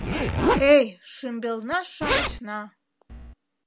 Эй, шӱмбелна-шамычна!